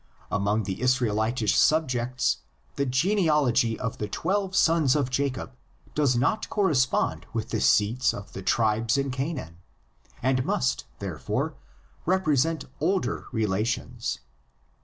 Among the Israelitish subjects, the genealogy of the twelve sons of Jacob does not correspond with the seats of the tribes in Canaan, and must, therefore, represent older rela tions.